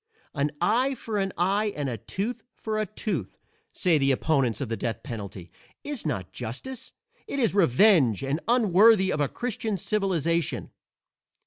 "An eye for an eye and a tooth for a tooth," say the opponents of the death penalty, "is not justice; it is revenge and unworthy of a Christian civilization."